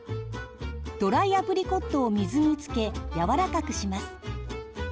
ドライアプリコットを水につけやわらかくします。